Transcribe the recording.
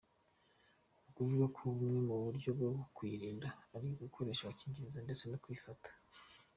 Nukuvuga ko bumwe mu buryo bwo kuyirinda ari ugukoresha agakingirizo ndetse no kwifata.